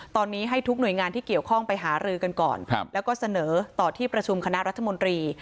ตอนนี้ให้ทุกหน่วยงานที่เกี่ยวข้องไปหารือกันก่อนแล้วก็เสนอต่อที่ประชุมคณะรัฐมนตรี